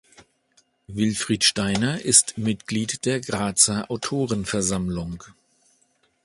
Wilfried Steiner ist Mitglied der Grazer Autorenversammlung.